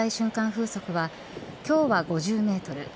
風速は今日は５０メートル